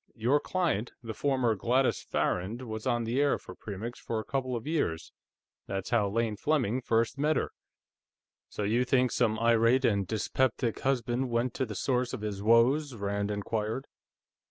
Your client, the former Gladys Farrand, was on the air for Premix for a couple of years; that's how Lane Fleming first met her." "So you think some irate and dyspeptic husband went to the source of his woes?" Rand inquired.